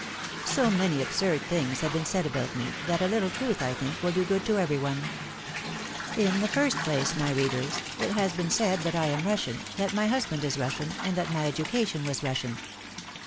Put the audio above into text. So many absurd things have been said about me, that a little truth, I think, will do good to every one. In the first place, my readers, it has been said ( 11 ) 12 AU T IIOR'S preface. that I am Russian, that my husband is Russian, and that my education was Russian.